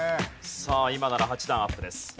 さあ今なら８段アップです。